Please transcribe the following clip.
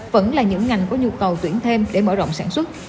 vẫn là những ngành có nhu cầu tuyển thêm để mở rộng sản xuất